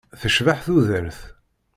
Tecbeḥ tudert.